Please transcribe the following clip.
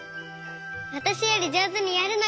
わたしよりじょうずにやるのよ！